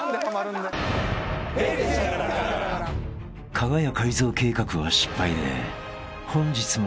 ［かが屋改造計画は失敗で本日も］